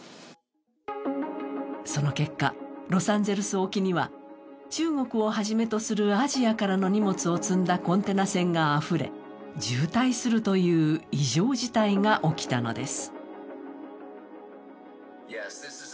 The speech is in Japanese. その結果、ロサンゼルス沖には中国を初めとするアジアからの荷物を積んだコンテナ船があふれ渋滞するという異常事態が起きたのです。